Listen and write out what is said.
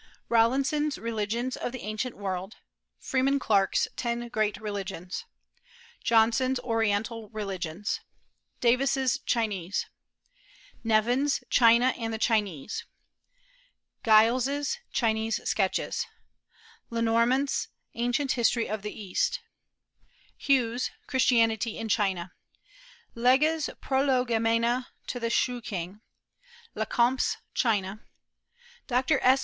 Rawlinson's Religions of the Ancient World; Freeman Clarke's Ten Great Religions; Johnson's Oriental Religions; Davis's Chinese; Nevins's China and the Chinese; Giles's Chinese Sketches; Lenormant's Ancient History of the East; Hue's Christianity in China; Legge's Prolegomena to the Shoo King; Lecomte's China; Dr. S.